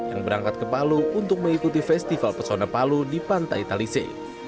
yang berangkat ke palu untuk mengikuti festival pesona palu di pantai talise